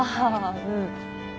うん。